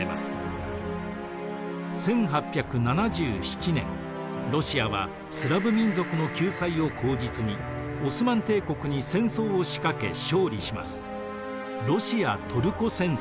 １８７７年ロシアはスラヴ民族の救済を口実にオスマン帝国に戦争を仕掛け勝利します。